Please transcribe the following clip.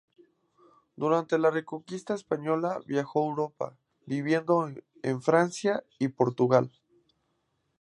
Durante la Reconquista Española viajó a Europa, viviendo en Francia y Portugal.